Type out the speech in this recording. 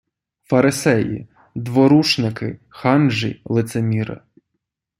Фарисеї - дворушники, ханжі, лицеміри